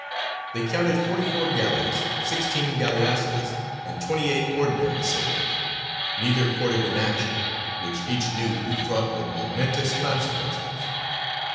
They counted forty four galleys, sixteen galleasses, and twenty eight ordinary sail. Neither courted an action, which each knew to be fraught with momentous consequences.